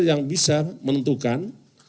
yang bisa menentukan